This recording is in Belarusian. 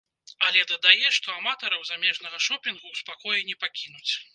Але дадае, што аматараў замежнага шопінгу ў спакоі не пакінуць.